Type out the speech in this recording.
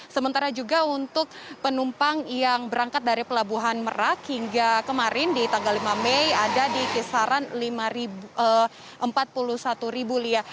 sementara juga untuk penumpang yang berangkat dari pelabuhan merak hingga kemarin di tanggal lima mei ada di kisaran empat puluh satu ribu lia